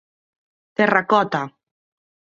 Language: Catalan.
Terracota